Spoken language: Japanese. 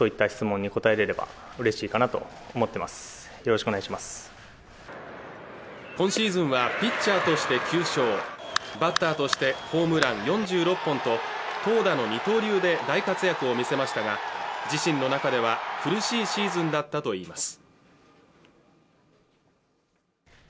注目の第一声は今シーズンはピッチャーとして９勝バッターとしてホームラン４６本と投打の二刀流で大活躍を見せましたが自身の中では苦しいシーズンだったといいます